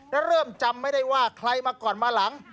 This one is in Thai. และเริ่มจำไม่ได้ว่าใครมาก่อนมาหลัง